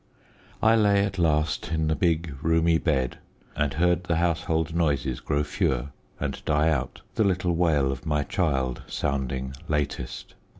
I lay at last in the big, roomy bed, and heard the household noises grow fewer and die out, the little wail of my child sounding latest.